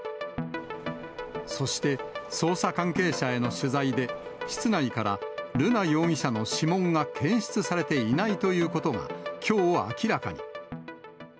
そして捜査関係者への取材で、室内から瑠奈容疑者の指紋が検出されていないということが、きょう明らかに。